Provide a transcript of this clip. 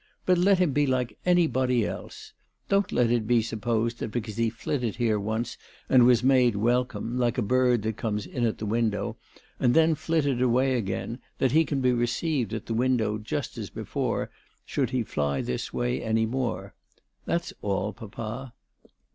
But let him be like anybody else. Don't let it be supposed that be cause he flitted here once, and was made welcome, like a bird that comes in a! the window, and then flitted away again, that he can be received in at the window just as before, should he fly this way any more. That's all, papa."